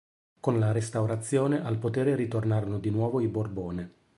Con la restaurazione, al potere ritornarono di nuovo i Borbone.